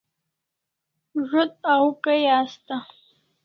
Zo't au Kai asta